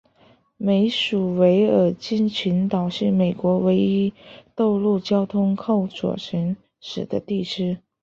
美属维尔京群岛是美国唯一道路交通靠左行驶的地区。